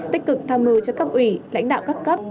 tích cực tham mưu cho cấp ủy lãnh đạo các cấp